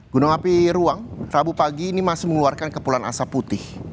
gunung api ruang rabu pagi ini masih mengeluarkan kepulan asap putih